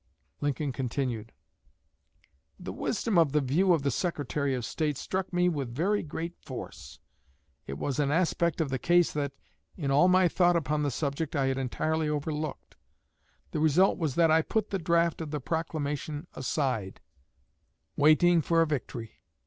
'" Lincoln continued: "The wisdom of the view of the Secretary of State struck me with very great force. It was an aspect of the case that, in all my thought upon the subject, I had entirely overlooked. The result was that I put the draft of the proclamation aside, waiting for a victory.